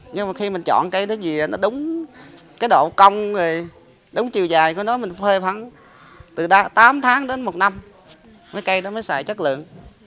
nhưng mà khi mình chọn cây đó về nó đúng cái độ cong đúng chiều dài của nó mình phơi khoảng từ tám tháng đến một năm mấy cây đó mới xài chất lượng